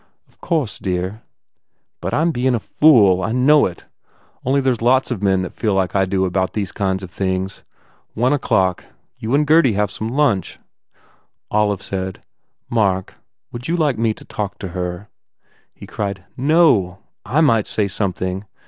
"Of course, dear." "And I m bein a fool. I know it. Only there s lots of men that feel like I do about these kind of things. One o clock. You and Gurdy have some lunch." Olive said, "Mark, would you like to talk to her?" He cried, "No! I might say something.